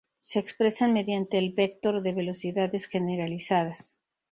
Se expresan mediante el "vector de velocidades generalizadas".